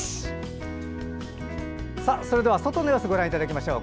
それでは外の様子ご覧いただきましょう。